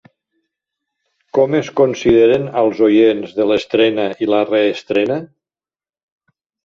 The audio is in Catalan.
Com es consideren als oients de l'estrena i la reestrena?